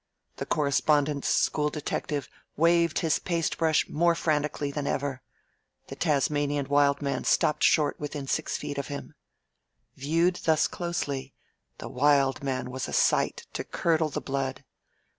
The Correspondence School detective waved his paste brush more frantically than ever. The Tasmanian Wild Man stopped short within six feet of him. Viewed thus closely, the Wild Man was a sight to curdle the blood.